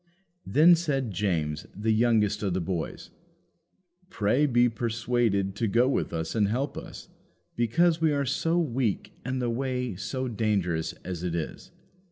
Then said James, the youngest of the boys, "Pray be persuaded to go with us and help us, because we are so weak and the way so dangerous as it is."